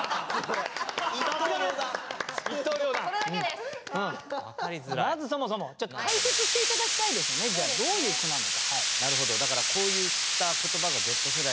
まずそもそもちょっと解説して頂きたいですよねじゃあどういう句なのか。